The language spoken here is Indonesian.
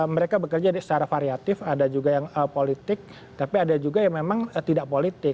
mereka bekerja secara variatif ada juga yang politik tapi ada juga yang memang tidak politik